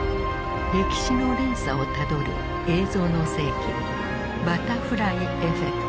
歴史の連鎖をたどる「映像の世紀バタフライエフェクト」。